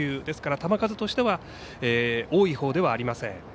ですから球数としては多いほうではありません。